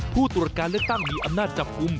ผู้ตรวจการเลือกตั้งมีอำนาจจับกลุ่ม